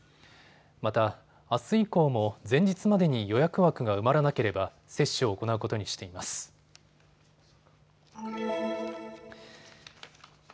また、あす以降も前日までに予約枠が埋まらなければ接種を行うことにしています。